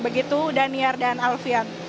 begitu daniel dan alfian